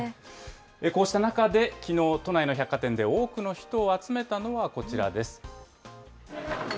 こうした中で、きのう、都内の百貨店で多くの人を集めたのは、こちらです。